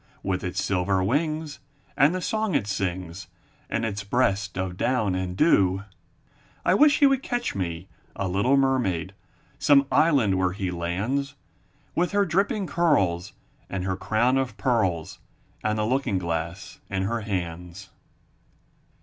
With its silver wings And the song it sings. And its breast of down and dew! ^sr y^ 'Al / »j 'VC' C S. ,.C v." ■uJ ^' I wish he would catch me a Little mermaid. Some island where he lands. With her dripping curls, And her crown of pearls. And the looking glass in her hands!